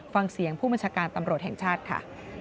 ฟังเสียงผู้บัญชาการตำรวจแห่งชาติค่ะ